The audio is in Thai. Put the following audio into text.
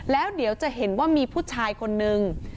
แล้วเดี๋ยวจะเห็นว่ามีผู้ชายคนนึง